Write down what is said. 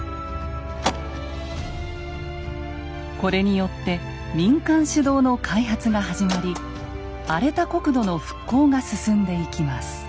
これによって民間主導の開発が始まり荒れた国土の復興が進んでいきます。